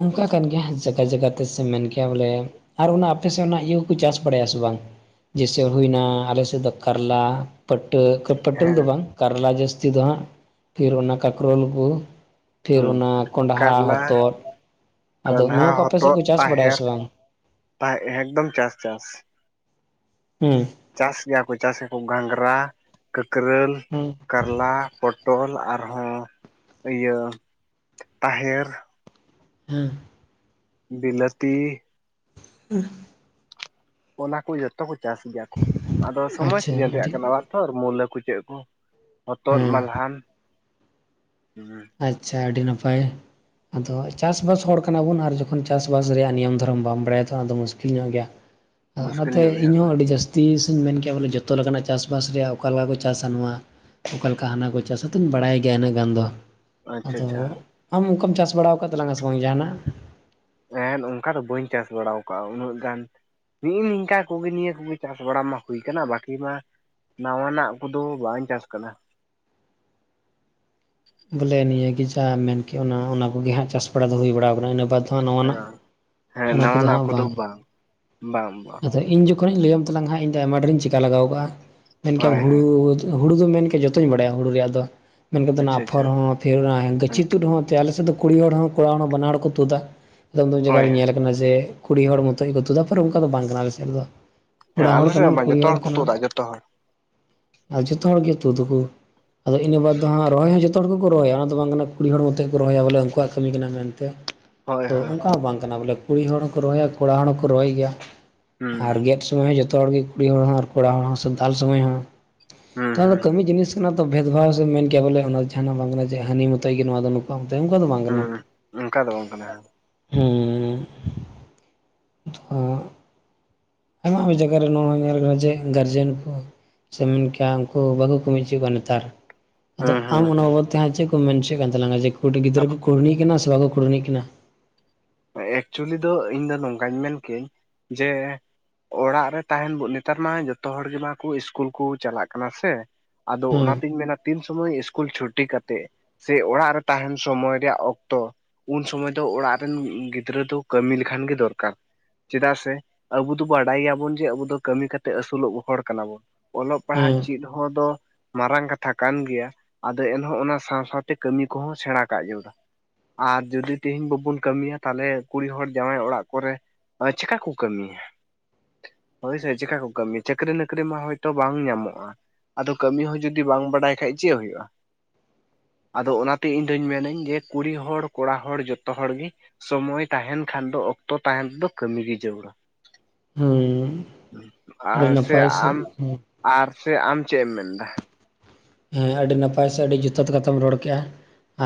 ᱚᱝᱠᱟ ᱠᱟᱱ ᱜᱮᱭᱟ ᱡᱟᱜᱟ ᱡᱟᱜᱟ ᱛᱮ ᱥᱮ ᱢᱮᱱ ᱠᱮᱭᱟ ᱵᱚᱞᱮ ᱟᱨ ᱚᱱᱟ ᱟᱯᱮ ᱥᱮᱡ ᱚᱱᱟ ᱤᱭᱟᱹ ᱠᱩᱠᱩ ᱪᱟᱥ ᱵᱟᱲᱟᱭᱟ ᱥᱮ ᱵᱟᱝ? ᱡᱮᱭᱥᱮᱹ ᱦᱩᱭᱱᱟ ᱟᱞᱮ ᱥᱮᱫ ᱫᱚ ᱠᱟᱨᱞᱟ ᱯᱟᱴᱟᱹ ᱯᱟᱹᱴᱟᱹᱞ ᱦᱮᱸ ᱫᱚ ᱵᱟᱝ ᱠᱟᱨᱞᱟ ᱡᱟᱹᱥᱛᱤ ᱫᱚ ᱦᱟᱸᱜ ᱯᱷᱤᱨ ᱚᱱᱟ ᱠᱟᱠᱨᱳᱞ ᱠᱩ᱾ ᱦᱮᱸ ᱠᱟᱨᱞᱟ, ᱟᱫᱚ ᱠᱚᱸᱰᱷᱟ, ᱱᱚᱣᱟ ᱠᱚ ᱟᱯᱮ ᱥᱮᱫ ᱦᱚᱛᱚᱫ, ᱠᱚ ᱪᱟᱥ ᱵᱟᱲᱟᱭᱟ ᱛᱟᱦᱮᱨ᱾ ᱥᱮ ᱵᱟᱝ? ᱛᱟᱦ ᱮᱠᱫᱚᱢ ᱪᱟᱥ ᱪᱟᱥ ᱾ ᱦᱩᱸ᱾ ᱪᱟᱥ ᱜᱮᱭᱟ ᱠᱚ, ᱪᱟᱥ ᱟᱠᱚ ᱜᱷᱟᱸᱜᱽᱨᱟ, ᱠᱟᱹᱠᱨᱟᱹᱞ ᱦᱩᱸ᱾ ᱠᱟᱨᱞᱟ ᱯᱚᱴᱚᱞ ᱟᱨᱦᱚᱸ ᱤᱭᱟᱹ ᱛᱟᱦᱮᱨ ᱦᱩᱸ᱾ ᱵᱤᱞᱟᱹᱛᱤ ᱾ ᱩᱸᱦ᱾ ᱚᱱᱟ ᱠᱩ ᱡᱚᱛᱚ ᱠᱚ ᱪᱟᱥ ᱜᱮᱭᱟ ᱠᱚ, ᱟᱫᱚ ᱥᱚᱢᱚᱭ ᱟᱪᱪᱷᱟ ᱥᱤᱡᱮᱱ ᱨᱮᱭᱟᱜ ᱟᱹᱰᱤ ᱠᱟᱱᱟ ᱟᱨ ᱛᱚᱨ ᱢᱩᱞᱟᱹ ᱠᱩ ᱪᱮᱫ ᱠᱩ ᱦᱚᱛᱚᱫ, ᱦᱮᱸ ᱢᱟᱞᱦᱟᱱ ᱦᱩᱸ᱾ ᱟᱪᱪᱷᱟ ᱟᱹᱰᱤ ᱱᱟᱯᱟᱭ᱾ ᱟᱫᱚ ᱪᱟᱥ ᱵᱟᱥ ᱦᱚᱲ ᱠᱟᱱᱟ ᱵᱚᱱ ᱟᱨ ᱡᱚᱠᱷᱚᱱ ᱪᱟᱥ ᱵᱟᱥ ᱨᱮᱭᱟᱜ ᱱᱤᱭᱚᱢ ᱫᱷᱚᱨᱚᱢ ᱵᱟᱢ ᱵᱟᱲᱟᱭᱟ ᱛᱚ ᱟᱫᱚ ᱢᱩᱥᱠᱤᱞ ᱧᱚᱜ ᱜᱮᱭᱟ᱾ [INAUDIBLE] ᱚᱱᱟᱛᱮ ᱧᱚᱜ ᱜᱮᱭᱟ ᱤᱧᱦᱚᱸ ᱦᱳᱭ ᱟᱹᱰᱤ ᱡᱟᱹᱥᱛᱤ ᱥᱤᱧ ᱢᱮᱱ ᱠᱮᱭᱟ ᱵᱚᱞᱮ ᱡᱚᱛᱚ ᱞᱮᱠᱟᱱᱟᱜ ᱪᱟᱥᱵᱟᱥ ᱨᱮᱭᱟᱜ ᱚᱠᱟ ᱞᱮᱠᱟ ᱠᱚ ᱪᱟᱥᱟ ᱱᱚᱣᱟ ᱚᱠᱟ ᱞᱮᱠᱟ ᱦᱟᱱᱟ ᱠᱚ ᱪᱟᱥᱼᱟ ᱛᱚᱧ ᱵᱟᱲᱟᱭ ᱜᱮᱭᱟ ᱤᱱᱟᱹᱜ ᱜᱟᱱ ᱫᱚ᱾ ᱟᱪᱪᱷᱟ ᱟᱫᱚ ᱟᱪᱪᱷᱟ ᱟᱢ ᱚᱝᱠᱟᱢ ᱪᱟᱥ ᱵᱟᱲᱟ ᱟᱠᱟᱫ ᱛᱟᱞᱟᱝᱟ ᱥᱮ ᱵᱟᱝ ᱡᱟᱦᱟᱱᱟᱜ? ᱮᱸ ᱚᱱᱠᱟ ᱫᱚ ᱵᱟᱹᱧ ᱪᱟᱥ ᱵᱟᱲᱟᱣ ᱟᱠᱟᱜᱼᱟ, ᱩᱱᱟᱹᱜ ᱜᱟᱱ ᱱᱤᱜᱼᱤ ᱱᱤᱝᱠᱟ ᱠᱚᱜᱮ ᱱᱤᱭᱟᱹ ᱠᱚᱜᱮ ᱪᱟᱥ ᱵᱟᱲᱟ ᱢᱟ ᱦᱩᱭ ᱠᱟᱱᱟ, ᱵᱟᱠᱤ ᱢᱟ ᱱᱟᱣᱟᱱᱟᱜ ᱠᱚᱫᱚ ᱵᱟᱧ ᱪᱟᱥ ᱠᱟᱫᱟ᱾ ᱵᱚᱞᱮ ᱱᱤᱭᱟᱹ ᱜᱮ ᱡᱟ ᱢᱮᱱᱠᱮᱜ ᱚᱱᱟ ᱚᱱᱟ ᱠᱚᱜᱮ ᱦᱟᱸᱜ ᱪᱟᱥ ᱵᱟᱲᱟ ᱫᱚ ᱦᱳᱭ ᱵᱟᱲᱟᱣ ᱟᱠᱟᱱᱟ᱾ ᱤᱱᱟᱹ ᱵᱟᱫᱽ ᱦᱮᱸ ᱱᱚᱶᱟᱱᱟᱜ ᱚᱱᱟ ᱠᱚᱫᱚ ᱦᱟᱸᱜ ᱵᱟᱝ᱾ ᱵᱟᱝ ᱵᱟᱝ ᱟᱫᱚ ᱤᱧ ᱡᱚᱠᱷᱚᱱᱤᱧ ᱞᱟᱹᱭᱟᱢ ᱛᱟᱞᱟᱝ ᱦᱟᱸᱜ, ᱤᱧᱫᱚ ᱟᱭᱢᱟ ᱰᱷᱮᱨᱤᱧ ᱪᱤᱠᱟ ᱞᱮᱜᱟᱣ ᱠᱟᱜᱼᱟ᱾ ᱢᱮᱱ ᱠᱮᱭᱟᱢ ᱦᱳᱭ ᱦᱩᱲᱩᱻ ᱦᱳᱭ ᱦᱩᱲᱩ ᱫᱚᱢ ᱢᱮᱱ ᱠᱮᱭᱟ ᱡᱚᱛᱚᱧ ᱵᱟᱲᱟᱭᱟ ᱦᱩᱲᱩ ᱨᱮᱭᱟᱜ ᱫᱚ, ᱢᱮᱱ ᱠᱟᱛᱮ ᱫᱚ ᱚᱱᱟ ᱟᱪᱪᱷᱟ ᱟᱯᱷᱚᱨ ᱟᱪᱪᱷᱟ ᱦᱚᱸ ᱯᱷᱤᱨ ᱦᱮᱸ ᱜᱟᱹᱪᱷᱤ ᱛᱩᱫ ᱦᱚᱸ᱾ ᱛᱮ ᱟᱞᱮ ᱥᱮᱫ ᱫᱚ ᱠᱩᱲᱤ ᱦᱚᱲ ᱦᱚᱸ ᱠᱚᱲᱟ ᱦᱚᱲ ᱦᱚᱸ ᱵᱟᱱᱟ ᱦᱚᱲ ᱠᱚ ᱛᱩᱫᱟ, ᱟᱫᱚᱢ ᱟᱫᱚᱢ ᱡᱟᱭᱜᱟ ᱦᱳᱭ ᱨᱮ ᱦᱮᱸ ᱧᱮᱞ ᱠᱟᱱᱟ ᱡᱮ ᱠᱩᱲᱤ ᱦᱚᱲ ᱢᱚᱛᱚᱡ ᱜᱮᱠᱚ ᱛᱩᱫᱟ, ᱯᱷᱤᱨ ᱚᱝᱠᱟ ᱫᱚ ᱵᱟᱝ ᱠᱟᱱᱟ ᱟᱞᱮ ᱥᱮᱫ ᱨᱮᱫᱚ᱾ ᱦᱮᱸ ᱠᱚᱲᱟ ᱦᱚᱲ ᱟᱞᱮ ᱥᱮᱫ ᱠᱟᱱᱟᱢ ᱢᱟ ᱠᱩᱲᱤ ᱡᱚᱛᱚ ᱦᱚᱲ ᱠᱚ ᱠᱟᱱᱟᱢ᱾ ᱛᱩᱫᱟ ᱡᱚᱛᱚ ᱦᱚᱲ ᱟᱨ ᱡᱚᱛᱚ ᱦᱚᱲᱜᱮ ᱛᱩᱫ ᱟᱠᱩ, ᱟᱫᱚ ᱤᱱᱟᱹ ᱵᱟᱫ ᱫᱚ ᱦᱟᱸᱜ ᱨᱚᱦᱚᱭ ᱦᱚᱸ ᱡᱚᱛᱚ ᱡᱚᱛᱚ ᱦᱚᱲ ᱜᱮᱠᱚ ᱨᱚᱦᱚᱭᱟ, ᱚᱱᱟ ᱫᱚ ᱵᱟᱝ ᱠᱟᱱᱟ ᱠᱩᱲᱤ ᱦᱚᱲ ᱢᱚᱛᱮᱡ ᱠᱚ ᱨᱚᱦᱚᱭᱟ ᱵᱚᱞᱮ ᱩᱱᱠᱩᱣᱟᱜ ᱠᱟᱹᱢᱤ ᱠᱟᱱᱟ ᱢᱮᱱᱛᱮ᱾ ᱦᱳᱭ ᱛᱚ ᱦᱳᱭ ᱚᱝᱠᱟ ᱦᱚᱸ ᱵᱟᱝ ᱠᱟᱱᱟ ᱵᱚᱞᱮ, ᱠᱩᱲᱤ ᱦᱚᱲ ᱦᱚᱸᱠᱚ ᱨᱚᱦᱚᱭᱟ ᱠᱚᱲᱟ ᱦᱚᱲ ᱦᱚᱸᱠᱚ ᱨᱚᱦᱚᱭ ᱜᱮᱭᱟ ᱦᱩᱸ ᱟᱨ ᱜᱮᱫ ᱥᱚᱢᱚᱭ ᱦᱚᱸ ᱡᱚᱛᱚ ᱦᱚᱲ ᱜᱮ ᱠᱩᱲᱤ ᱦᱚᱲ ᱦᱚᱸ ᱟᱨ ᱠᱚᱲᱟ ᱦᱚᱲ ᱦᱚᱸ ᱥᱮ ᱫᱟᱞ ᱥᱚᱢᱚᱭ ᱦᱚᱸ ᱦᱩᱸ ᱛᱚ ᱚᱱᱟ ᱦᱩᱸ ᱠᱟᱹᱢᱤ ᱡᱤᱱᱤᱥ ᱚᱱᱟ ᱫᱚ ᱵᱷᱮᱫ ᱵᱷᱟᱣ ᱥᱮᱢ ᱢᱮᱱ ᱠᱮᱭᱟ ᱵᱚᱞᱮ ᱚᱱᱟ ᱡᱟᱦᱟᱱᱟᱜ ᱵᱟᱝ ᱠᱟᱱᱟ ᱡᱮ ᱦᱟᱹᱱᱤ ᱢᱚᱛᱚᱡ ᱜᱮ ᱱᱚᱣᱟ ᱫᱚ ᱱᱩ ᱛᱮ ᱩᱝᱠᱩᱣᱟᱜ ᱫᱚ ᱵᱟᱝ ᱠᱟᱱᱟ, ᱦᱩᱸ ᱚᱱᱠᱟ ᱫᱚ ᱵᱟᱝ ᱠᱟᱱᱟ ᱦᱮᱸ ᱦᱩᱸᱻ᱾ ᱛᱷᱚ ᱟᱭᱢᱟ ᱟᱭᱢᱟ ᱡᱟᱭᱜᱟ ᱨᱮ ᱱᱚᱣᱟ ᱢᱟ ᱧᱮᱞ ᱟᱠᱟᱱᱟ ᱡᱮ ᱜᱟᱨᱡᱮᱱ ᱠᱚ ᱥᱮᱢ ᱢᱮᱱ ᱠᱮᱭᱟ ᱩᱱᱠᱩ ᱵᱟᱠᱩ ᱠᱟᱹᱢᱤ ᱩᱪᱩᱭᱮᱫ ᱠᱚᱣᱟ ᱱᱮᱛᱟᱨ᱾ ᱟᱫᱚ ᱦᱩᱸ ᱟᱢ ᱦᱩᱸ ᱚᱱᱟ ᱦᱩᱸ ᱵᱟᱵᱚᱫ ᱛᱮ ᱦᱟᱸᱜ ᱪᱮᱫ ᱠᱚᱢ ᱢᱮᱱ ᱦᱚᱪᱚᱭᱮᱫ ᱠᱟᱱ ᱛᱟᱞᱟᱝᱟ? ᱡᱮ ᱠᱩᱲᱤ ᱜᱤᱫᱽᱨᱟᱹ ᱠᱚ ᱠᱩᱲᱱᱤᱜ ᱠᱟᱱᱟ ᱥᱮ ᱵᱟᱠᱚ ᱠᱩᱲᱱᱤᱜ ᱠᱟᱱᱟ? ᱮᱠᱪᱩᱭᱮᱞᱤ ᱫᱚ ᱤᱧ ᱫᱚ ᱱᱚᱝᱠᱟᱧ ᱢᱮᱱ ᱠᱮᱭᱟᱹᱧ ᱡᱮ ᱚᱲᱟᱜ ᱨᱮ ᱛᱟᱦᱮᱱ ᱱᱮᱛᱟᱨ ᱢᱟ ᱡᱚᱛᱚ ᱦᱚᱲ ᱜᱮᱢᱟᱠᱚ ᱤᱥᱠᱩᱞ ᱠᱩ ᱪᱟᱞᱟᱜ ᱠᱟᱱᱟ ᱥᱮ᱾ ᱟᱫᱚ ᱦᱮᱸ ᱚᱱᱟᱛᱤᱧ ᱢᱮᱱᱟ ᱛᱤᱱ ᱥᱩᱢᱳᱭ ᱤᱥᱠᱩᱞ ᱪᱷᱩᱴᱤ ᱠᱟᱛᱮᱫ ᱥᱮ ᱚᱲᱟᱜ ᱨᱮ ᱛᱟᱦᱮᱱ ᱥᱚᱢᱚᱭ ᱨᱮᱭᱟᱜ ᱚᱠᱛᱚ ᱩᱱ ᱥᱚᱢᱚᱭ ᱫᱚ ᱚᱲᱟᱜ ᱨᱮᱱ ᱜᱤᱫᱽᱨᱟᱹ ᱫᱚ ᱠᱟᱹᱢᱤ ᱞᱮᱠᱷᱟᱱ ᱜᱮ ᱫᱚᱨᱠᱟᱨ। ᱪᱮᱫᱟᱜ ᱥᱮ ᱟᱵᱩ ᱫᱚ ᱵᱟᱰᱟᱭ ᱜᱮᱭᱟᱵᱚᱱ ᱡᱮ ᱟᱵᱚ ᱫᱚ ᱠᱟᱹᱢᱤ ᱠᱟᱛᱮᱫ ᱟᱹᱥᱩᱞᱚᱜ ᱦᱚᱲ ᱠᱟᱱᱟᱵᱚᱱ। ᱚᱞᱚᱜ ᱯᱟᱲᱦᱟᱜ ᱦᱮᱸ ᱪᱮᱫ ᱦᱚᱸ ᱫᱚ ᱢᱟᱨᱟᱝ ᱠᱟᱛᱷᱟ ᱠᱟᱱ ᱜᱮᱭᱟᱼᱼ ᱟᱫᱚ ᱮᱱᱦᱚᱸ ᱚᱱᱟ ᱥᱟᱶ ᱥᱟᱶᱛᱮ ᱠᱟᱹᱢᱤ ᱠᱚᱦᱚᱸ ᱥᱮᱸᱲᱟ ᱠᱟᱜ ᱡᱟᱹᱨᱩᱲᱟ ᱟᱨ ᱡᱩᱫᱤ ᱛᱤᱦᱤᱧ ᱵᱟᱵᱩᱱ ᱠᱟᱹᱢᱤᱭᱟ ᱛᱟᱞᱦᱮ ᱠᱩᱲᱤ ᱦᱚᱲ ᱡᱟᱶᱟᱭ ᱚᱲᱟᱜ ᱠᱚᱨᱮ ᱪᱤᱠᱟ ᱠᱚ ᱠᱟᱹᱢᱤᱭᱟ ᱦᱳᱭ ᱥᱮ ᱪᱤᱠᱟ ᱠᱚ ᱠᱟᱹᱢᱤ ᱪᱟᱹᱠᱨᱤ ᱱᱚᱠᱨᱤ ᱢᱟ ᱦᱳᱭᱛᱚ ᱵᱟᱝ ᱧᱟᱢᱚᱜᱼᱟ ᱟᱫᱚ ᱠᱟᱹᱢᱤ ᱦᱚᱸ ᱡᱩᱫᱤ ᱵᱟᱝ ᱵᱟᱲᱟᱭ ᱠᱷᱟᱡ ᱪᱮᱫ ᱦᱩᱭᱩᱜᱼᱟ ᱟᱫᱚ ᱚᱱᱟᱛᱮ ᱤᱧ ᱫᱩᱧ ᱢᱮᱱᱟᱹᱧ ᱡᱮ ᱠᱩᱲᱤ ᱦᱚᱲ ᱠᱚᱲᱟ ᱦᱚᱲ ᱡᱚᱛᱚ ᱦᱚᱲ ᱜᱮ ᱥᱚᱢᱚᱭ ᱛᱟᱦᱮᱱ ᱠᱷᱟᱱ ᱫᱚ ᱚᱠᱛᱚ ᱛᱟᱦᱮᱱ ᱛᱮᱫᱚ ᱠᱟᱹᱢᱤ ᱜᱮ ᱡᱟᱹᱨᱩᱲᱟ। ᱦᱩᱸᱻ ᱟᱨ ᱥᱮ ᱟᱢ ᱟᱨ ᱥᱮ ᱟᱢ ᱪᱮᱫ ᱮᱢ ᱢᱮᱱᱫᱟ? ᱦᱮᱸ ᱟᱹᱰᱤ ᱱᱟᱯᱟᱭ ᱥᱮ ᱟᱹᱰᱤ ᱡᱚᱛᱷᱟᱹᱛ ᱠᱟᱛᱷᱟᱢ ᱨᱚᱲ ᱠᱮᱫᱼᱟ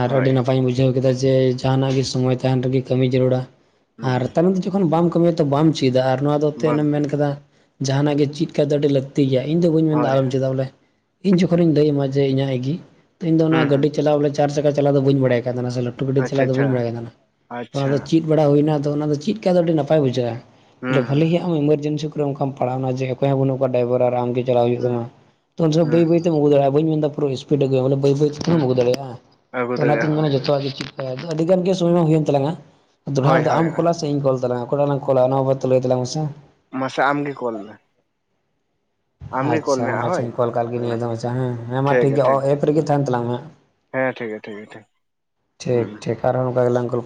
ᱟᱨ ᱟᱹᱰᱤ ᱦᱳᱭ ᱱᱟᱯᱟᱭᱤᱧ ᱵᱩᱡ ᱵᱩᱡᱷᱟᱹᱣ ᱠᱮᱫᱟ ᱡᱮ ᱡᱟᱦᱟᱱᱟᱜ ᱜᱮ ᱥᱚᱢᱚᱭ ᱛᱟᱦᱮᱱ ᱨᱮᱜᱮ ᱠᱟᱹᱢᱤ ᱡᱟᱹᱨᱩᱲᱟ ᱦᱩᱸ ᱟᱨ ᱛᱟᱭᱢ ᱛᱮ ᱡᱚᱠᱷᱚᱱ ᱵᱟᱢ ᱠᱟᱹᱼᱼ ᱠᱟᱹᱢᱤᱭᱟ ᱛᱚ ᱵᱟᱢ ᱪᱮᱫᱟ ᱟᱨ ᱱᱚᱣᱟ ᱫᱚ ᱮᱢ ᱵᱟᱝ ᱢᱮᱱ ᱟᱠᱟᱫᱟ ᱡᱟᱦᱟᱱᱟᱜ ᱜᱮ ᱪᱮᱫ ᱠᱷᱟᱡ ᱫᱚ ᱟᱹᱰᱤ ᱞᱟᱠᱛᱤ ᱜᱮᱭᱟ ᱤᱧᱫᱚ ᱵᱟᱹᱧ ᱢᱮᱱᱫᱟ ᱦᱳᱭ ᱟᱞᱚᱢ ᱪᱮᱫᱟᱜᱴ ᱵᱚᱞᱮ ᱤᱧ ᱡᱚᱠᱷᱚᱱᱤᱧ ᱞᱟᱹᱭ ᱟᱢᱟ ᱡᱮ ᱤᱧᱟᱹᱜ ᱜᱤ ᱤᱧ ᱫᱚ ᱚᱱᱟ ᱦᱩᱸ ᱦᱩᱸ ᱜᱟᱹᱰᱤ ᱪᱟᱞᱟᱣ ᱵᱚᱞᱮ ᱪᱟᱨ ᱪᱟᱠᱟ ᱪᱟᱞᱟᱣ ᱫᱚ ᱵᱟᱹᱧ ᱵᱟᱲᱟᱭ ᱠᱟᱱ ᱛᱟᱦᱮᱱᱟ ᱟᱥᱚᱞᱮ ᱞᱟᱹᱴᱩ ᱜᱟᱹᱰᱤ ᱟᱪᱪᱷᱟ ᱪᱟᱞᱟᱜ ᱫᱚ ᱟᱪᱪᱷᱟ ᱵᱟᱹᱧ ᱵᱟᱲᱟᱭ ᱠᱟᱱ ᱛᱟᱦᱮᱱᱟ ᱟᱪᱪᱷᱟ ᱚᱱᱟᱫᱚ ᱪᱮᱫ ᱵᱟᱲᱟ ᱦᱩᱭᱱᱟ ᱟᱫᱚ ᱚᱱᱟ ᱫᱚ ᱪᱮᱫ ᱠᱟ ᱫᱚ ᱟᱹᱰᱤ ᱱᱟᱯᱟᱭ ᱵᱩᱡᱷᱟᱹᱜ-ᱟ ᱦᱩᱸ ᱵᱚᱞᱮ ᱵᱷᱟᱞᱮ ᱦᱩᱸ ᱜᱮ ᱮᱢᱟᱨᱡᱮᱱᱥᱤ ᱠᱚᱨᱮ ᱚᱱᱠᱟᱢ ᱯᱟᱲᱟᱣᱱᱟ ᱡᱮ ᱚᱠᱚᱭ ᱦᱚᱸ ᱵᱟᱹᱱᱩᱜ ᱠᱚᱣᱟ ᱰᱟᱭᱵᱷᱟᱨ ᱟᱨ ᱟᱢᱜᱮ ᱪᱟᱞᱟᱣ ᱦᱩᱭᱩᱜ ᱦᱩᱸ ᱛᱟᱢᱟ ᱦᱩᱸ ᱵᱟᱹᱭ ᱵᱟᱹᱭ ᱦᱩᱸ ᱛᱮᱢ ᱟᱹᱜᱩ ᱫᱟᱲᱮᱭᱟᱜᱼᱟ ᱵᱟᱹᱧ ᱢᱮᱱᱫᱟ ᱯᱩᱨᱟᱹ ᱤᱥᱯᱤᱰ ᱟᱜᱩᱭ ᱢᱮ ᱵᱚᱞᱮ ᱵᱟᱹᱭ ᱵᱟᱹᱭ ᱦᱩᱸ ᱛᱚᱢ ᱟᱹᱜᱩ ᱫᱟᱲᱮᱭᱟᱜ-ᱟ ᱟᱹᱜᱩ ᱛᱚ ᱫᱟᱲᱮᱭᱟᱜᱼᱟ ᱚᱱᱟᱛᱤᱧ ᱢᱮᱱᱟ ᱦᱳᱭ ᱡᱚᱛᱚᱣᱟᱜ ᱜᱮ ᱪᱮᱫ ᱠᱟᱭᱟ ᱟᱹᱰᱤ ᱜᱟᱱ ᱜᱮ ᱥᱚᱢᱚᱭ ᱢᱟ ᱦᱩᱭᱮᱱ ᱛᱟᱞᱟᱝᱟ ᱫᱚᱲᱦᱟ ᱦᱳᱭ ᱨᱮᱫᱚ ᱦᱳᱭ ᱟᱢ ᱦᱳᱭ ᱠᱚᱞᱟ ᱥᱮ ᱤᱧ ᱠᱚᱞ ᱛᱟᱞᱟᱝ-ᱟ ᱚᱠᱚᱭ ᱞᱟᱦᱟ ᱠᱚᱞᱟ ᱚᱱᱟ ᱞᱟᱦᱟ ᱞᱟᱹᱭ ᱛᱟᱞᱟᱝ ᱢᱮᱥᱮ ᱢᱟᱥᱮ ᱟᱢᱜᱮ ᱠᱚᱞ ᱢᱮ ᱟᱢᱜᱮ ᱠᱚᱞ ᱟᱪᱪᱷᱟ ᱢᱮ ᱢᱟ ᱦᱳᱭ ᱟᱪᱪᱷᱟᱧ ᱠᱚᱞ ᱠᱟᱜ ᱞᱮᱜᱮ ᱦᱮᱸ ᱱᱤᱭᱟᱹ ᱫᱚ ᱟᱪᱪᱷᱟ ᱦᱮᱸ ᱦᱮᱸ ᱢᱟ ᱴᱷᱤᱠ ᱜᱮᱭᱟ ᱮᱯ ᱨᱮᱜᱮ ᱛᱟᱦᱮᱱ ᱛᱟᱞᱟᱝ ᱢᱮ ᱦᱮᱸ ᱦᱮᱸ ᱴᱷᱤᱠ ᱜᱮᱭᱟ ᱴᱷᱤᱠ ᱜᱮᱭᱟ ᱴᱷᱤᱠ ᱦᱩᱸ ᱴᱷᱤᱠ ᱴᱷᱤᱠ ᱟᱨᱦᱚ ᱚᱱᱠᱟ ᱜᱮᱞᱟᱝ ᱜᱚᱞᱯᱚᱼᱼ